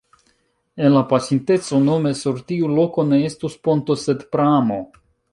En la pasinteco nome sur tiu loko ne estus ponto sed pramo.